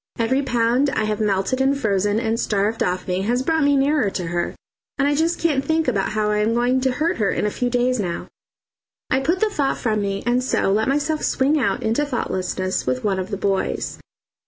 Every pound I have melted and frozen and starved off me has brought me nearer to her, and I just can't think about how I am going to hurt her in a few days now. I put the thought from me, and so let myself swing out into thoughtlessness with one of the boys.